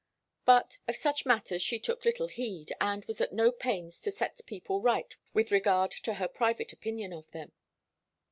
But of such matters she took little heed, and was at no pains to set people right with regard to her private opinion of them.